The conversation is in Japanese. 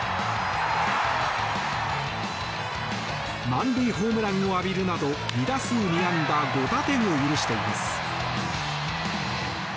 満塁ホームランを浴びるなど２打数２安打５打点を許しています。